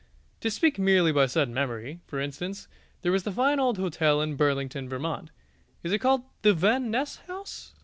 To speak merely by sudden memory, for instance, there was the fine old hotel in Burlington, Vermont is it called the Van Ness House?